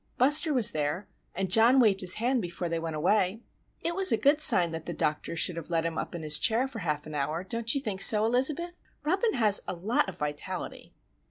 Buster was there, and John waved his hand before they went away. It was a good sign that the doctor should have let him up in his chair for half an hour,—don't you think so, Elizabeth? Robin has a lot of vitality."